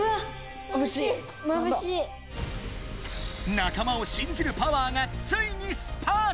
仲間を信じるパワーがついにスパーク！